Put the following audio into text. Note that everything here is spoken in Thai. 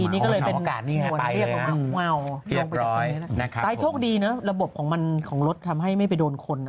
แต่โชคดีระบบของรถทำให้ไม่ไปโดนคน